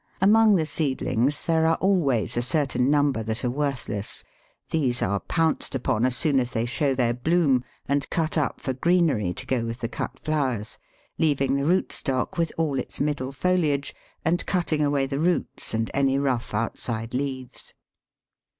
Among the seedlings there are always a certain number that are worthless. These are pounced upon as soon as they show their bloom, and cut up for greenery to go with the cut flowers, leaving the root stock with all its middle foliage, and cutting away the roots and any rough outside leaves.